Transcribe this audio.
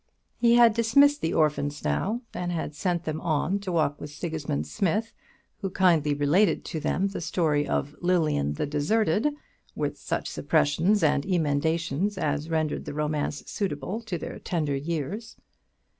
He had dismissed the orphans now, and had sent them on to walk with Sigismund Smith, who kindly related to them the story of "Lilian the Deserted," with such suppressions and emendations as rendered the romance suitable to their tender years.